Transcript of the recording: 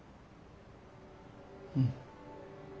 うん。